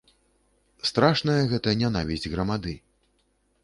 Страшная гэта нянавісць грамады.